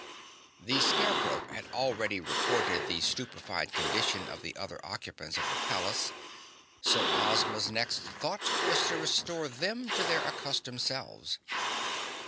The Scarecrow had already reported the stupefied condition of the other occupants of the palace, so Ozma's next thought was to restore them to their accustomed selves.